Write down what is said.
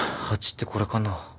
鉢ってこれかな？